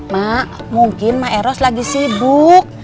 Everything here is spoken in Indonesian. mak mungkin mbak eros lagi sibuk